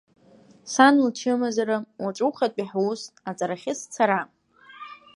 Сан лчымазара, уаҵәухатәи ҳус, аҵарахьы сцара.